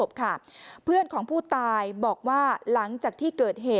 แม่ของแม่แม่ของแม่